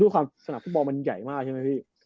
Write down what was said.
ความสนามฟุตบอลมันใหญ่มากใช่ไหมพี่